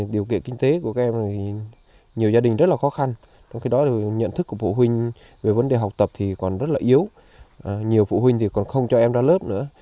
điều kiện kinh tế của các em thì nhiều gia đình rất là khó khăn trong khi đó nhận thức của phụ huynh về vấn đề học tập thì còn rất là yếu nhiều phụ huynh thì còn không cho em ra lớp nữa